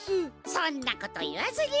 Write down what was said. そんなこといわずに。